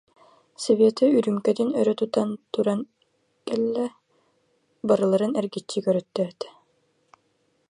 Света үрүүмкэтин өрө тутан туран кэллэ, барыларын эргиччи көрөттөөтө: